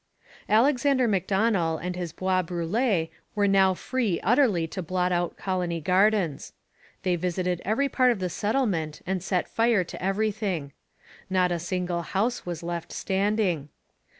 Alexander Macdonell and his Bois Brûlés were now free utterly to blot out Colony Gardens. They visited every part of the settlement and set fire to everything. Not a single house was left standing.